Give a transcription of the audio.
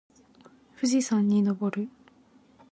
富士山にのぼる。